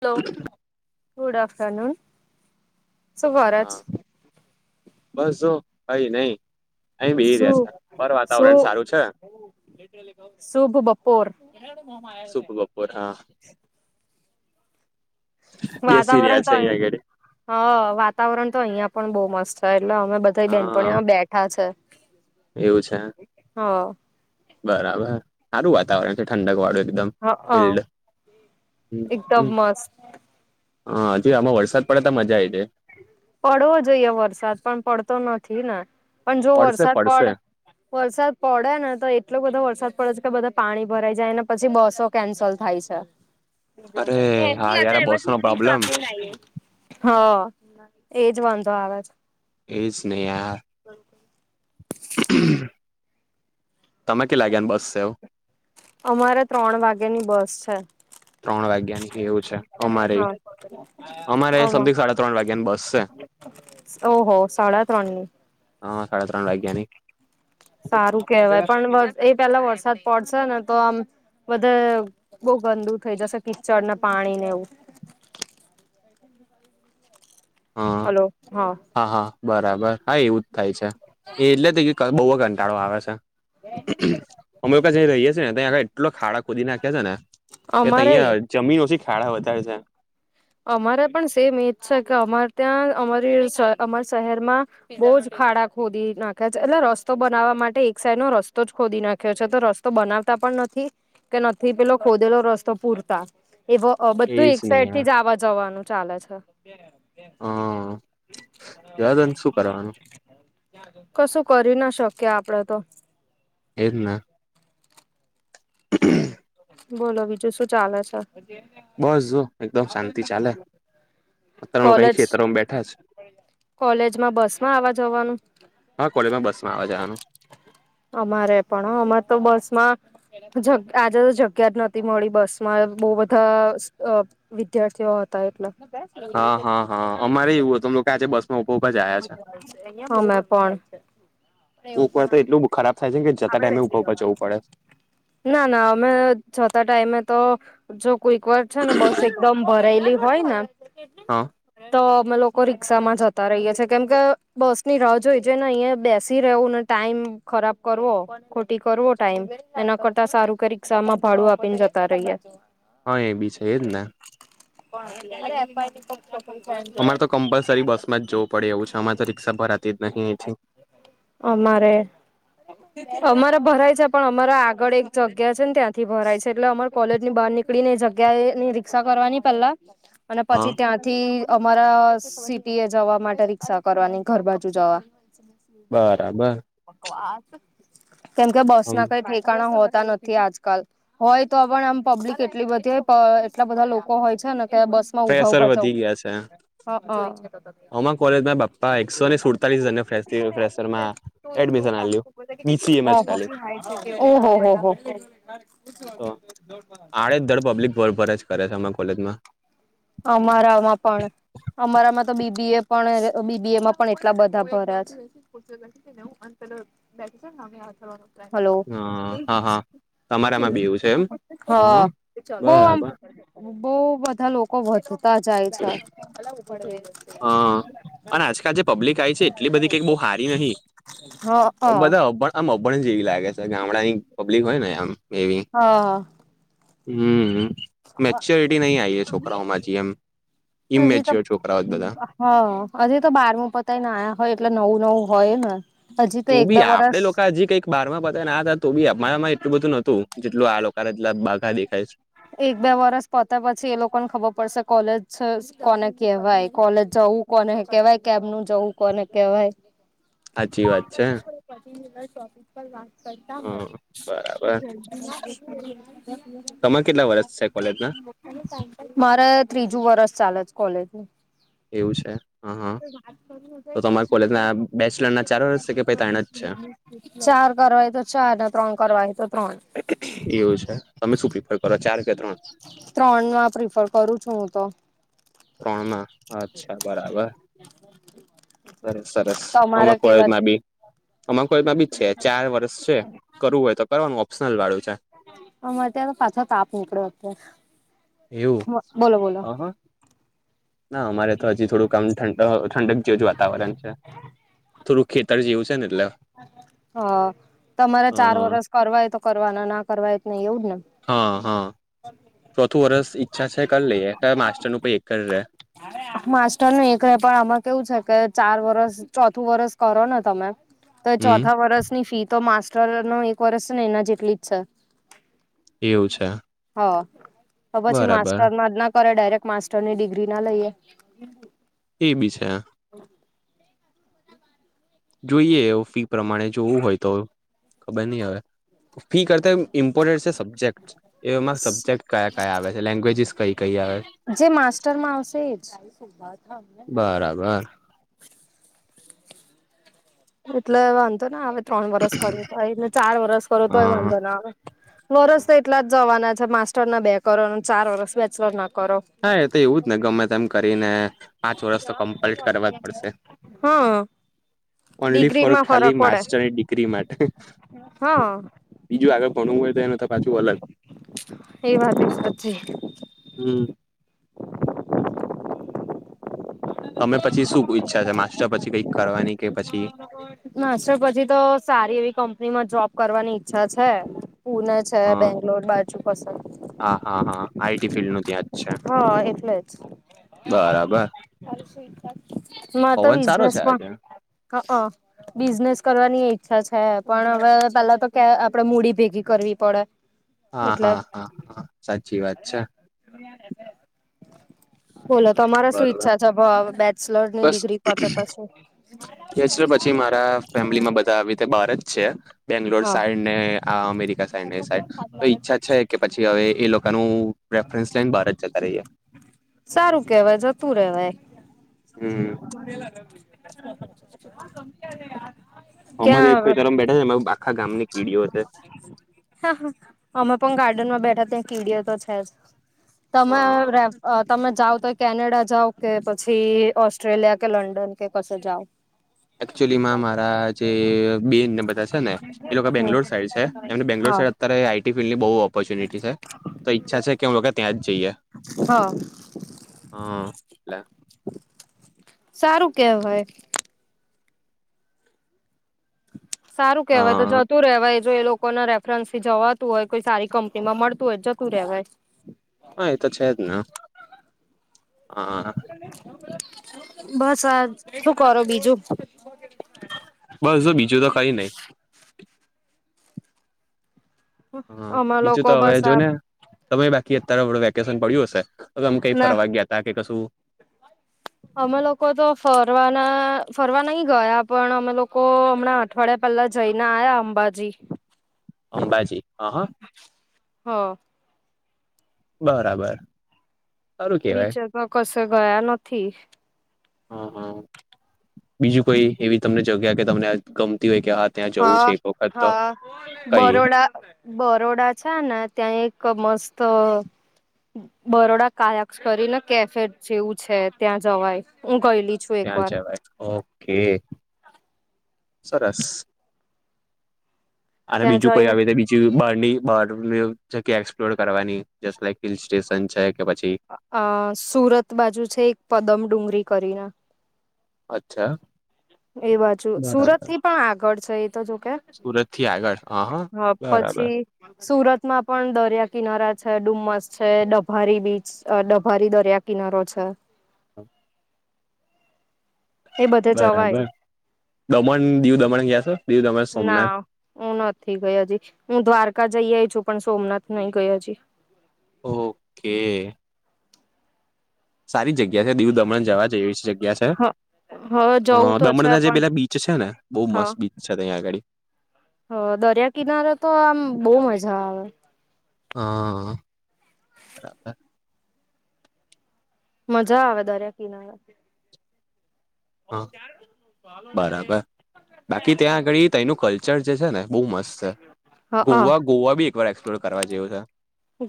Hello. Good afternoon. શું કરચ? હા બસ જો કઈ નહી. શું, શું સારું છે સુબ બપોર. પોર હા. બેસી વાતાવરણ રહ્યા છે તો અહ અહીંયા આગળ હા વાતાવરણ તો અહિયાં પણ બોહ મસ્ત તા એટલે અમે બધાય હા બેનપણીઓ બેઠા છે. એવું છે. હ બરાબર હારું વાતાવરણ છે ઠંડક વાળું એકદમ. હા ફિલ્ડ હ એકદમ મસ્ત. હા હજી આમાં વરસાદ પડે તો મજા આઈ જાય. પડવો જોઈએ વરસાદ પણ પડતો નથી ને પણ જો પડશે વરસાદ પડશે પડે વરસાદ પડે ને તો એટલો બધો વરસાદ પડે છે કે બધા પાણી ભરાઈ જાય અને પછી બસો કેન્સલ થાય છે. અરે હા યાર આ બસો નો પ્રોબ્લેમ હ એજ વાંધો આવે છે. એજ ને યાર. તમે કે લાગે ને બસ શેવ અમારે ત્રણ વાગે ની બસ છે. ત્રણ વાગ્યા ની એવું છે. અમારે અમારે હા અમા. સમથિંગ સાડા ત્રણ વાગ્યાની બસ છે ઓહ હો સાડા ત્રણ ની. હા સાડા ત્રણ લાએ. સારું કેહેવાય પણ વ એ પેલા વરસાદ પડશે ને તો આમ બધે બહુ ગંદુ થઈ જશે કિચડ ને પાણી ને એવું. હા હા હા બરાબર હા એવું જ થાય છે એ એટલે કે બહુ કંટાળો આવે છે. અમે કશી રહીએ છે ને ત્યાં એગ એટલો ખાડા ખોદી નાખે છે ને કે અમારે તય જમીન ઓછી ખાડા વધારે છે અમારે પણ સેમ એજ છે કે અમારે ત્યાં અમારી સ અમાર શહેરમાં બહો જ ખાડા ખોદી નાખ્યા છે એટલે રસ્તો બનાવવા માટે એક સાઈડ નો રસ્તો જ ખોદી નાખ્યો છે તો રસ તો બનાવતા પણ નથી કે નથી પેલો ખોદેલો રસ્તો પૂરતા એવો અહ બધું એજ એક નહી સાઇડ થી યાર જ આવા જવાનું ચાલે છે. હ જવા દોને શું કરવાનું [unintelligible] કશું કરી ના શકીએ આપડે તો એ જ ના બોલો બીજું શું ચાલે છે? પછી એમ નેમ બસ જો એકદમ શાંતિ ચાલે અત્યાર નો કઈ કોલેજ ખેતરોમાં બેઠા છે કોલેજમાં બસ માં આવવા જવાનું હા કોલેજમાં બસ માં આવે જવાનું અમારે પણ ઓ અમારે તો બસ માં જગ આજ જગ્યા જ નોતી મળી બસ માં બહુ બધા અહ વિદ્યાર્થીઓ હતા એટલા હા હા હા અમારે એવું હો તમ આજે બસ [unintelligible] જાય છે ગરમી હોય કોક વાર તો એટલું ખરાબ થાય છે જતા ટાઈમે ઉભા ઉભા જવું પડે. ના ના અમે જાતા ટાઈમે તો જો કોઈક વાર છે ને બસ એકદમ ભરાયેલી હોય ને હા તો અમે લોકો રિક્ષામાં જતા રહીએ છીએ કેમ કે બસ ની રાહ જોઈ જોઈ ને અહીંયા બેસી રહેવું ન ટાઈમ ખરાબ કરવો ખોટી કરવો ટાઈમ એના કરતા કે સારુ રિક્ષામાં ભાડું આપીને જતા રહીયે હા એ બી છે એ જ ને અરે અપાય તો અમારે તો કમ્પલસરી બસ માં જ વું પડે એવું છે અમારે તો રિક્ષા ભરાતી જ નહી આયથી. અમારે અમારા ભરાય છે પણ અમારા આગળ એક જગ્યા છે ને ત્યાંથી ભરાય છે એટલે અમાર કોલેજ ની બહાર ની પકડી ને જગ્યા એ ની રિક્ષા કરવાની પેલા અને હા પછી ત્યાંથી અમારા સિટી એ જવા માટે રિક્ષા કરવાની ઘરબાજુ [unintelligible] બરાબર ભગવાન કેમકે બસ હમ ના કઈ ઠેકાણા હોતા નથ થી આજકાલ હોય તો પણ આમ પબ્લિક બધી હો પ એટલા બધા લોકો હોય છે ને કે બસ માં ઉભા ફ્રેશર ઉભા જવુ, વધી હા હા અમે કોલેજમાં યે બાપ [unintelligible] ફ્રેશરમાં એડમિશન આલ્યું હ બીસીએમાં જ ખાલી પછી ઓહોહો હો પણ બધેજ કરે છે અમણે કોલેજમાં અમારામાં પણ અમારામાં તો બીબી એ પણ બીબી એમાં પણ એટલા ભર્યા છે. [unintelligible] હલો હા હા હા તમારામાં બી એવું છે એમ [unintelligible] હા બઉ આમ બરાબર બો બધા લોકો વધતા જાય છે. [inaudible] હ અને આજકાલ જે પબ્લિક આયી છે એટલી બધી કઈ બહ હારી નહી. હ અ આમ અભણ જેવી લાગે છે ગામડાની પબ્લિક હોય ને આમ એવી. હા હમ મેચ્યોરિટી નહી આવી છોકરાઓમાં હજી એમ હજી તો ઇમમેચ્યોર છોકરા. હા હજી તો બારમુ પતાય ના આયા હોય એટલે નવું નવું હોય ને. હજી તો તું એક બી બે આપડે વરસ લોકો હજી કંઈક બારમાં પતાયી ને આયા તા તો બી અમારામાં એટલ બધું નતું. જેટલું આ લોકો એટલા બાઘા દેખાય છે. એક બે વરસ પતે પછી એ લોકોને ખબર પડશે કોલેજ છે, કોને કહેવાય, કોલેજ જવું કોને કેવાય, કેમનું જવું કોને કેવાય. હાચી વાત છે. પતી ગયું ને શોપિંગ? કઈ વાત કરતા હ હોય બરાબર તો [inaudible] તમારે કેટલા વર્ષ છે કોલેજના? મારે ત્રીજું વરષ ચાલે છે કોલેજનું. એવું છે હા હા. તો તમારી કોલેજના બેચલર ના ચાર વરસ છે કે પછી ત્રણ જ? અચ્છા. ચાર કરવા હોય તો ચાર ને ત્રણ કરવા હોય તો ત્રણ. એવું છે? તમે શું પ્રિફર કરો ચાર કે ત્રણ? ત્રણમાં પ્રિફર કરું છું હું તો. ત્રણમાં. અચ્છા બરાબર. સરસ સરસ. અમે તમારે કેવા કોલેજમાં બી અમારા કોઈમાં બી છે ચાર વર્ષ છે. કરવું હોય તો કરવાનું ઓપ્શનલ વાળું છે અમારે ત્યાં તો પાછો તાપ નીકળ્યો અત્યારે. એવું બોલો બોલો અહ ના અમારે તો હજી થોડું આમ ઠંડ ઠંડક જેવુ જ વાતાવરણ છે. થોડું ખેતર જેવું છે ને એટલે. હા તમારે ચાર વરસ કરવા હોય તો કરવાના ના કરવાય હોય નહી એવું જ ને? હા હા. ચોથું વર્ષ ઈચ્છા છે કરી લઈએ. તો માસ્ટરનું પહિ એક જ રેહે. માસ્ટરનું એક રે પણ આમાં કેવું છે કે ચાર વરસ ચોથું વરસ કરો ને તમે તો હમ ચોથા વરષની ફી તો માસ્ટરના એક વર્ષ છે ને એના જેટલી જ છે. એવું છે. હ. તો પછી બરાબર માસ્ટરમાં જ ના કરે ડાયરેક્ટ માસ્ટરની ડિગ્રી ના લઈએ. એ બી છે. જોઈએ હવે ફી પ્રમાણે જોવું હોય તો ખબર નહીં હવે. ફી કરતાય ઇમ ઇમપોર્ટેન્ટ છે સબ્જેક્ટ. એમાં સબ્જેક્ટ કયા કયા આવે છે, લેંગ્વેજીસ કઈ કઈ આવે? જે માસ્ટરમાં આવશે એજ. [inaudible] બરાબર હ એટલે વાંધો ના આવે ત્રણ વરસ કર્યો તો એને ચાર વરસ કરો તોય વાંધો ના આવે. વરસ તો એટલા જ જવાના છે માસ્ટર ના બે કરો ને ચાર વરસ બેચલરના કરો. હા એ તો એવું જ ને ગમે તેમ કરીને પાંચ વર્ષ તો કમ્પલટ કરવા જ પડશે. હા. ઓનલી ફોર ડિગ્રીમાં ખાલી ફરક પડે માસ્ટર ડિગ્રી માટે. હા બીજું આગળ ભણવું હોય તો એનું તો પાછું અલગ. એ વાતે સાચી. હમ. તમને પછી શું ઈચ્છા છે? માસ્ટર પછી કંઈક કરવાની કે પછી? માસ્ટર પછી તો સારી એવી કંપનીમાં જોબ કરવાની ઈચ્છા છે. પૂના જ કે હ બેંગલોર બાજુ કસે- હા હા હા આઈટી ફિલ્ડનું ત્યાં જ છે હ એટલે જ. બરાબર [inaudible] માર તો પવન બિઝનેસ સારો પણ [inaudible] છે આજે થાય ક [inaudible] બિઝનેસ કરવાની ઈચ્છા છે. પણ હવે પેલા તો કે આપડે મૂડી ભેગી કરવી પડે. હા એટલે હા હા હા સાચી વાત છે. બોલો તમારે શું બરોબર ઈચ્છા છે? અ ભ બેચલરની બસ ડિગ્રી પતે પછી? [unintelligible] પછી મારા ફેમિલીમાં બધા આવી રીતે બાર જ છે બેંગ્લોર હા સાઈડ- ને આ અમેરિકા સાઈડને એ સાઈડ તો ઈચ્છા છે કે પછી હવે એ લોકોનું- રેફ્રરન્સ લઈન બાર જ જતા રહીએ. સારું કેવાય જતું રેવાય. હમ્મ. [unintelligible] નથી. આ સમજે નય યાર અમે જે [unintelligible] બેઠા છેને એમા આખા ગામની કીડીઓ છે હા હા અમે પણ ગાર્ડનમાં બેઠા ત્યાં કીડીઓ તો છે જ. તમે હા રેફ અ તમે જાવ તોય કેનેડા જાવ કે પછી ઓસ્ટ્રેલિયા કે લંડન કે કશે જાવ? એક્ચુલીમાં મારા જે બેનને એ બધા છે ને એ લોકો બેંગ્લોર હમ સાઈડ છે એમને બેંગ્લોર હા સાઇડ અત્તારે આઈટી ફિલ્ડ બો ઓપોર્ચુનિટી છે તો ઈચ્છા છે કે અમે લોકો ત્યાં જ જઈએ હા હા. એટલે સારું કેહવાય. સારું કેહવાય તો હા જતું રેવાય. જો એ લોકોના રેફ રન્સથી જવાતું હોય કોઈ સારી કંપનીમાં મળતું હોય તો જતું રહેવાય હા એ તો છે જ ના હા. બસ આ જ. શું કરો બીજું? બસ જો. બીજું તો કંઈ ન‌ઈ. હા અમે બીજું તો લોકો હવે બસ જો આ ને તમે બાકી અત્તારે હમણે વેકેશન પડ્યું હશે તો આમ કંઈ ના ફરવા ગ્યાતા કે કશું? અમે લોકો તો ફરવાના ફરવા નહીં ગયા પણ અમે લોકો હમણાં અઠવાડિયા પેલ્લા જ‌ઈ ને આયા અંબાજી. [inaudible] અંબાજી. હ હા હ બરાબર. સારું કેવાય બીજે તો કશે ગયા નથી. હ હ. બીજું કોઈ એવી તમને જગ્યા કે તમને ગમતી હોય કે હા ત્યાં જવું છે હા એક વખત તો હા કઈ બરોડા બરોડા છે ને. ત્યાં એક મસ્ત બરોડા કાયાક્ષ કરીને કેફે જેવું છે ત્યાં જવાય હું ગયેલી છું એક ત્યાં વાર જવાય. ઓકે. સરસ! અને ત્યાં બીજું કોઈ જઈને આવીતે બી જુ બારની બહારની જગ્યા એક્સપ્લોર કરવાની જસ્ટ લાઇક હિલ સ્ટેશન છે કે પછી અ સુરત બાજુ છે એક પદમ ડુંગરી કરીને અચ્છા એ બાજુ, સુરતથી પણ આગળ છે એ તો જો કે. સુરતથી આગળ. હ હ બરાબર. પછી સુરતમાં પણ દરિયા કિનારા છે, ડુમસ છે, ડભારી બીચ અ ડભારી દરિયા કિનારો છે. [inaudible] એ બધે જવાય બરાબર. દમણ, દીવ દમણ ગયા છો? દીવ દમણ સોમનાથ? ના હું નથી ગય હજી, હું દ્વારકા જઈ આઈ છું પણ સોમનાથ નઈ ગઈ હજી. ઓકે. સારી જગ્યા છે, દીવ દમણ જવા જેવી શ જગ્યા છે. હે! હ હવે જવું અ તો છે દમણના જે પણ પેલા બીચ છે ને! બઉ હ મસ્ત બીચ તયાં અગાડી. હ દરિયા કિનારે તો આમ, બઉ મજા આવે. અ, બરાબર. મજા આવે દરિયા કિનારે. હા. બરાબર. બાકી ત્યાં આગડી તઈનુ કલ્ચર જે છે ને, બહુ મસ્ત છે. હઅ ગોવા, ગોવા બી એકવાર એક્સપ્લોર કરવા જેવું છે.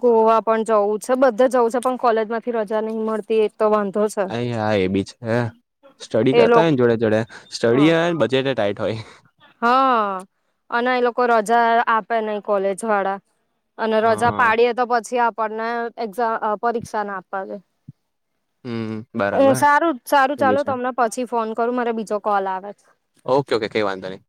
ગોવા પણ જવું છે, બધે જવું છે પણ કોલેજ માંથી રજા નહી મળતી એજ તો વાંધો છ. અરે હા એબી છે. સ્ટડી એ કરતા લોક હોયને જોડે જોડે, હ સ્ટડી [unintelligible] ટાઈટ હોય. હા, અને એ લોકો રજા, આપે નહીં કોલેજ વાળા. અને રજા હા પાડીએે તો પછી આપણને એક્ઝા, અ પરીક્ષા ના આપ્પા દે. હમ્મ. અમ સારું, સારુ ચાલો તમને પછી ફોન કરું મારે બીજો કોલ આવે ઓકે, ઓકે, કઈ વાંધો નહીં.